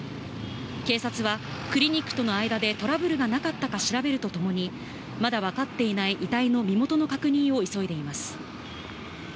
警察はクリニックとの間でトラブルがなかったか調べるとともに、まだわかっていない遺体の身元の確認を急いでいます。